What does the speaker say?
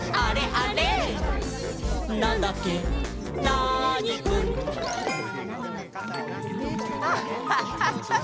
ナーニくん」アッハハハハ